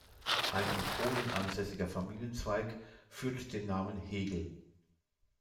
Ein in Polen ansässiger Familienzweig führt den Namen "Hegel".